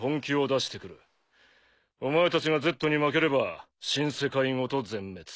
お前たちがＺに負ければ新世界ごと全滅。